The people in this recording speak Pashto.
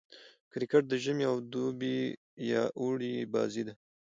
کرکټ د ژمي او دوبي يا اوړي بازي ده.